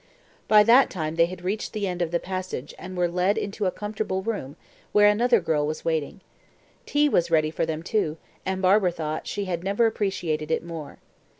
By that time they had reached the end of the passage and were led into a comfortable room, where another girl was waiting. Tea was ready for them too, and Barbara thought she had never appreciated it more.